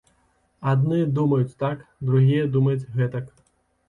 Адныя думаюць так, другія думаюць гэтак.